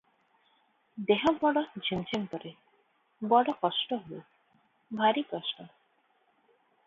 ଦେହ ବଡ଼ ଝିମ୍ ଝିମ୍ କରେ, ବଡ଼ କଷ୍ଟ ହୁଏ – ଭାରି କଷ୍ଟ ।